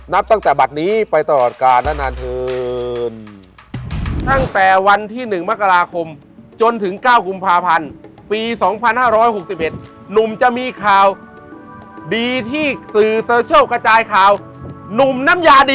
นับตั้งแต่บัตรนี้ไปต่อออกการณ์และนานทืน